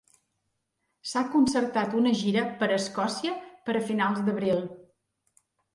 S'ha concertat una gira per Escòcia per a finals d'abril.